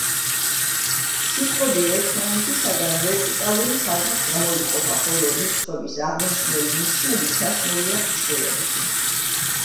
სიტყვები ერთმანეთისაგან ვერტიკალური ხაზით გამოიყოფა, ხოლო რიცხვების აღმნიშვნელი ნიშნები ჩასმულია ფრჩხილებში.